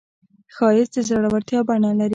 ښایست د زړورتیا بڼه لري